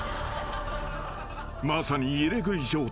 ［まさに入れ食い状態］